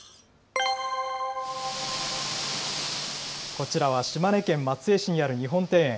こちらは島根県松江市にある日本庭園。